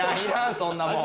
そんなもん。